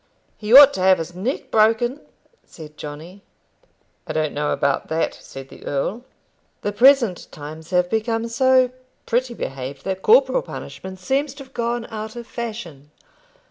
"He ought to have his neck broken," said Johnny. "I don't know about that," said the earl. "The present times have become so pretty behaved that corporal punishment seems to have gone out of fashion.